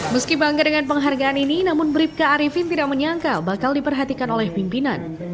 meski bangga dengan penghargaan ini namun bribka arifin tidak menyangka bakal diperhatikan oleh pimpinan